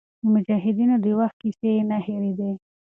د مجاهدینو د وخت کیسې یې نه هېرېدې.